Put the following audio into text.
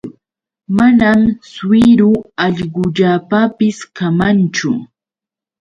Manam suyru allqullaapapis kamanchu.